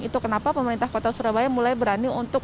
itu kenapa pemerintah kota surabaya mulai berani untuk